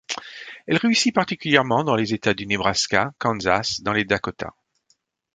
Elle réussit particulièrement dans les Etats du Nebraska, Kansas, dans les Dakota.